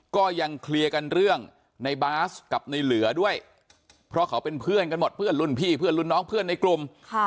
ก็ยังเคลียร์กันเรื่องในบาสกับในเหลือด้วยเพราะเขาเป็นเพื่อนกันหมดเพื่อนรุ่นพี่เพื่อนรุ่นน้องเพื่อนในกลุ่ม